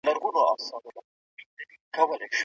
خلګ د زهيروني له لاسه په تنګ سوي ول.